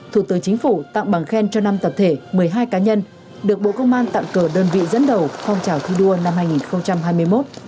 thủ tướng chính phủ tặng bằng khen cho năm tập thể một mươi hai cá nhân được bộ công an tặng cờ đơn vị dẫn đầu phong trào thi đua năm hai nghìn hai mươi một